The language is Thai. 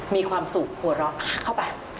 มีความสุขหัวเราะเข้าไป